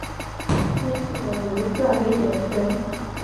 哭泣的流转的眼神